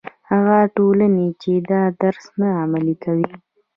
هغه ټولنې چې دا درس نه عملي کوي.